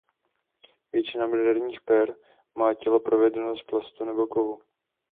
Většina moderních per má tělo provedeno z plastu nebo kovu.